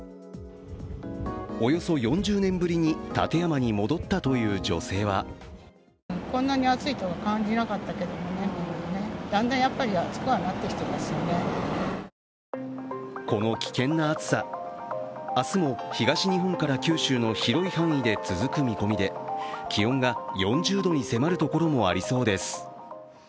およそ４０年ぶりに館山に戻ったという女性はこの危険な暑さ、明日も東日本から九州の広い範囲で続く見込みで、気温が４０度に迫るところもありそうです。